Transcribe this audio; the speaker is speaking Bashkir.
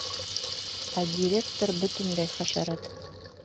— Ә директор бөтөнләй хәшәрәт.